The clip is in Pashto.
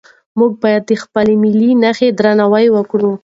موږ باید د خپلو ملي نښانو درناوی وکړو.